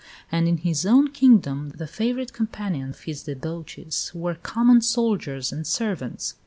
And in his own kingdom the favourite companions of his debauches were common soldiers and servants.